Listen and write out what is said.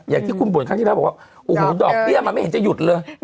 อย่างที่คุณบ่นครั้งที่แล้วบอกว่าโอ้โหดอกเบี้ยมันไม่เห็นจะหยุดเลย